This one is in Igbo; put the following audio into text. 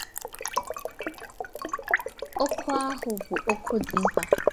okwu ahụ bụ okwu dị mkpa.